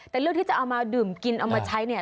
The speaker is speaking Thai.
แต่เรื่องที่จะเอามาดื่มกินเอามาใช้เนี่ย